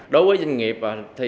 đối với doanh nghiệp